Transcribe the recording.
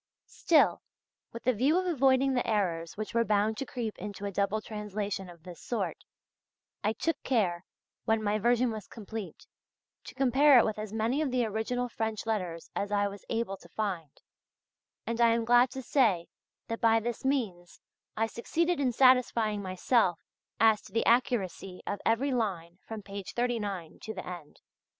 Still, with the view of avoiding the errors which were bound to creep into a double translation of this sort, I took care, when my version was complete, to compare it with as many of the original French letters as I was able to find, and I am glad to say that by this means I succeeded in satisfying myself as to the accuracy of every line from page 39 to the end.